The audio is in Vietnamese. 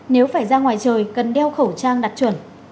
nếu phải ra ngoài trời cần đeo khẩu trang đặt chuẩn